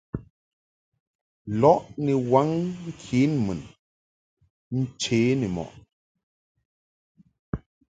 Lɔʼ ni waŋ ŋkenmun nche ni mɔʼ.